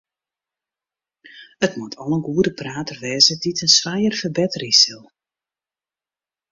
It moat al in goede prater wêze dy't it in swijer ferbetterje sil.